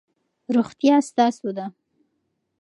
روغتیا ستاسو ده.